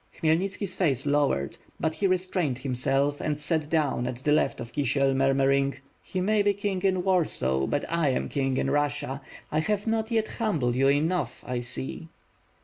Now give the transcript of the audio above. Khmyelnitski's faxje lowered, but he restrained himself and sat down at the left of Kisiel, murmuring: "He may be king in Warsaw, but I am king in Bussia. I have not yet humbled you enough, I see."